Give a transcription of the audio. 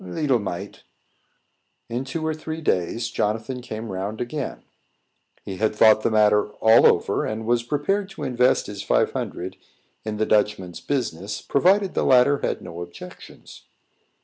"Leetle mite." In two or three days, Jonathan came round again. He had thought the matter all over, and was prepared to invest his five hundred dollars in the Dutchman's business, provided the latter had no objections.